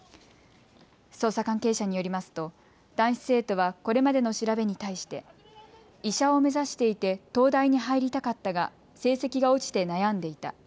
捜査関係者によりますと男子生徒はこれまでの調べに対して医者を目指していて東大に入りたかったが成績が落ちて悩んでいた。